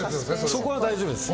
そこは大丈夫です。